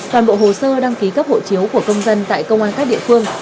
toàn bộ hồ sơ đăng ký cấp hộ chiếu của công dân tại công an các địa phương